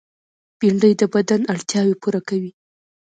بېنډۍ د بدن اړتیاوې پوره کوي